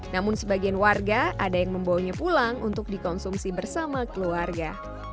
namun sebagian warga ada yang membawanya pulang untuk dikonsumsi bersama keluarga